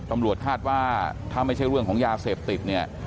ตำรวจคาดว่าถ้าไม่ใช่เรื่องของยาเสพติดเนี่ย